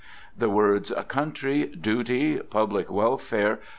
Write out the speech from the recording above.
The words: "Country!" "Duty!" "Public Welfare!"